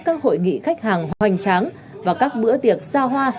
các hội nghị khách hàng hoành tráng và các bữa tiệc xa hoa